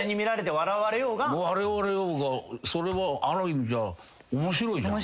笑われようがそれはある意味じゃ面白いじゃん。